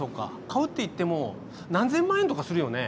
買うっていっても何千万円とかするよね？